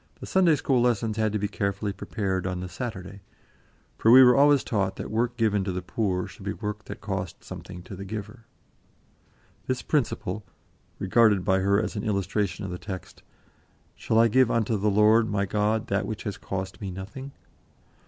The Sunday school lessons had to be carefully prepared on the Saturday, for we were always taught that work given to the poor should be work that cost something to the giver. This principle, regarded by her as an illustration of the text, "Shall I give unto the Lord my God that which has cost me nothing?"